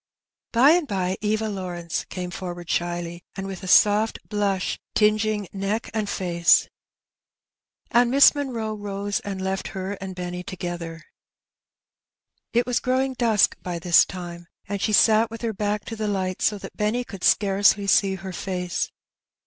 By and bye Eva Lawrence came forward shyly, and Keoognition. 255 with a soft blusli tinging neck and face ; and Miss Munroe rose and left her and Benny together. It was growing dnsk by this time^ and she sat with her back to the lights so that Benny could scarcely see her face.